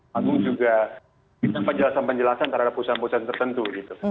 magung juga bisa penjelasan penjelasan terhadap perusahaan perusahaan tertentu